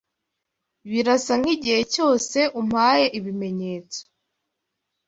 Birasa nkigihe cyose umpaye ibimenyetso